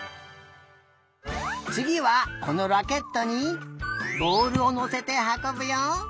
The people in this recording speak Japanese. つぎはこのラケットにぼおるをのせてはこぶよ！